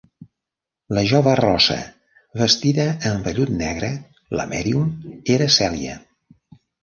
La jove rossa vestida amb vellut negre, la mèdium, era Cèlia.